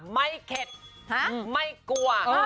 ไม่เข็ดไม่กลัว